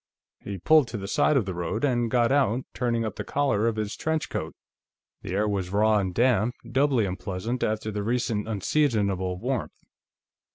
He pulled to the side of the road and got out, turning up the collar of his trench coat. The air was raw and damp, doubly unpleasant after the recent unseasonable warmth.